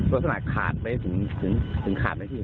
ลักษณะขาดไปถึงขาดไหมพี่